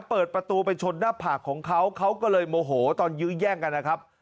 เปิดประตูไปชนหน้าผากของเขาเขาก็เลยโมโหตอนยื้อแย่งกันนะครับ